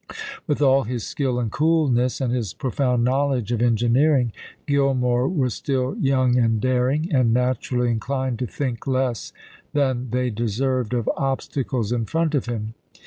With all his skill and coolness, and his profound knowledge of engineering, Gillmore was still young and daring, and naturally inclined to think less than they de served of obstacles in front of him.